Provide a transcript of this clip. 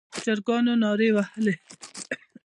چرګانو نارې وهلې.